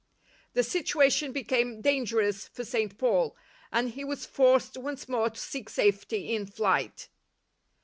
The situation became dangerous for St. Paul, and he was forced once more to seek safety in flight.